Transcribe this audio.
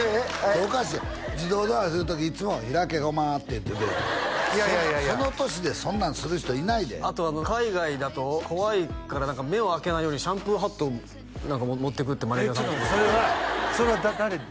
おかしい自動ドアする時いっつも「開けゴマ」って言ってていやいやいやいやその年でそんなんする人いないであと海外だと怖いから目を開けないようにシャンプーハットを持って行くってちょっと待ってそれはそれは誰にですか？